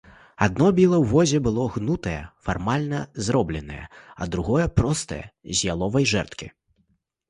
Адно біла ў возе было гнутае, фармальна зробленае, другое простае, з яловай жэрдкі.